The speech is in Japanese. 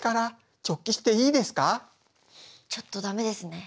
ちょっと駄目ですね。